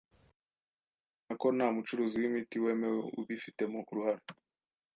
ahakana ko nta mucuruzi w'imiti wemewe ubifitemo uruhare.